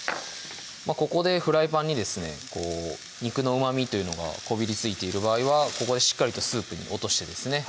ここでフライパンにですね肉のうまみというのがこびりついている場合はここでしっかりとスープに落としてですね